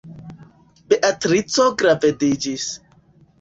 Beatrico gravediĝis.